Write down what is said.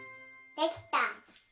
できた。